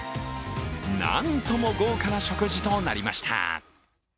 なんとも豪華な食事となりました。